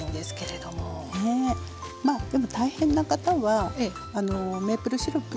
まあでも大変な方はメープルシロップでも。